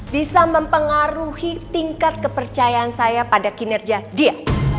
bisa mempengaruhi tingkat kepercayaan saya pada kinerja dia